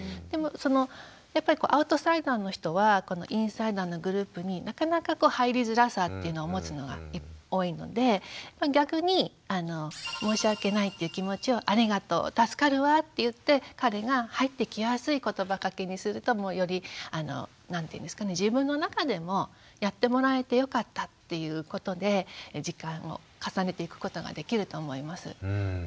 でもやっぱりアウトサイダーの人はインサイダーのグループになかなかこう入りづらさっていうのを持つのが多いので逆に申し訳ないっていう気持ちを「ありがとう」「助かるわ」って言って彼が入ってきやすい言葉がけにするとより何ていうんですかね自分の中でもやってもらえてよかったっていうことで時間を重ねていくことができると思います。